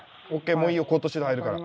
もういいよ口頭指導入るから。